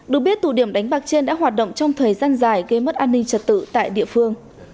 được biết tụ điểm đánh bạc trên đã hoạt động trong thời gian dài gây mất an ninh trật tự tại địa phương